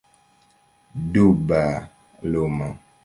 Duba lumo.